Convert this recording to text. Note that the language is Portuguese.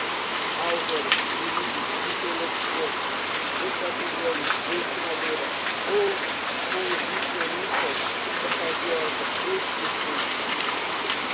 álvaro uribe, interlocutor, equatoriano, ex-senadora, oposicionistas, fantasiosa, ex-presidente